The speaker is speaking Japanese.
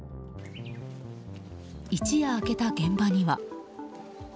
一夜明けた現場には。